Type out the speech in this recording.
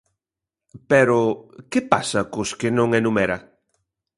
Pero ¿que pasa cos que non enumera?